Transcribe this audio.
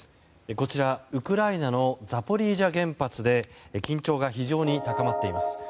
こちら、ウクライナのザポリージャ原発で緊張が非常に高まっています。